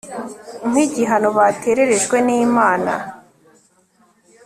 Nki gihano batererejwe nImana